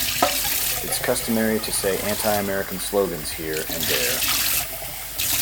It's customary to say anti-American slogans here and there.